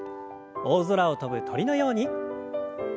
大空を飛ぶ鳥のように。